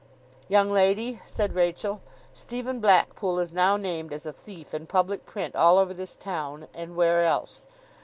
'Young lady,' said Rachael, 'Stephen Blackpool is now named as a thief in public print all over this town, and where else!